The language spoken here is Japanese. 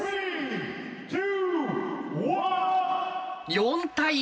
４対１！